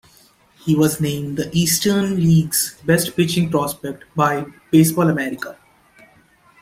He was named the Eastern League's best pitching prospect by "Baseball America".